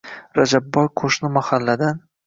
Rajabboy qoʼshni mahalladan